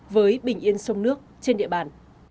với bình yên sông nước trên địa bàn